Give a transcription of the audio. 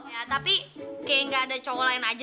ya tapi kayak gak ada cowok lain aja ya